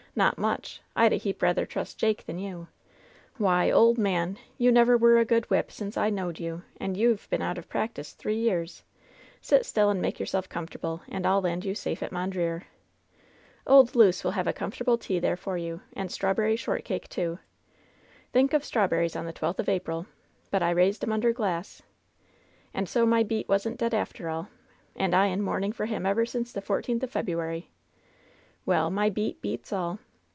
"Not much ! I'd a heap rather trust Jake than you ! Why, ole man, you never were a good whip since I knowed you, and you've been out of prac tice three years ! Sit still and make yourself comfortable, and I'll land you safe at Mondreer. Old Luce will have a comfortable tea there for you, and strawberry short cake, too. Think of strawberries on the twelfth of April ! But I raised 'em under glass. And so my beat wasn't dead, after all 1 And I in mourning for him ever since the fourteenth of February ! Well, my beat beats all